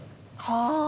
はあ！